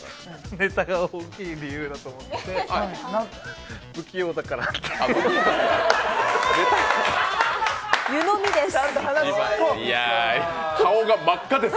ネタが大きい理由だと思って不器用だからって湯飲みです。